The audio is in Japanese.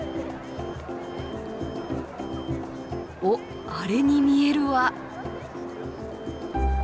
おっあれに見えるは。